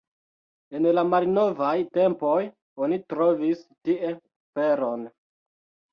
En la malnovaj tempoj oni trovis tie feron.